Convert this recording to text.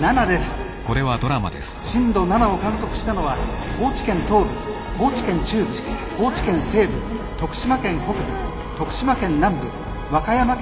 震度７を観測したのは高知県東部高知県中部高知県西部徳島県北部徳島県南部和歌山県北部